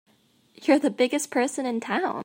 You're the biggest person in town!